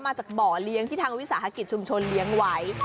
มาจากบ่อเลี้ยงที่ทางวิสาหกิจชุมชนเลี้ยงไว้